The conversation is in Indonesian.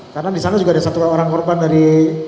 karena di sana juga ada satu orang korban dari